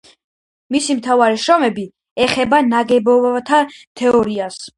მისი მთავარი შრომები ეხება ნაგებობათა თეორიას.